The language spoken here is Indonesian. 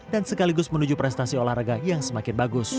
dan sekaligus menuju prestasi olahraga yang semakin bagus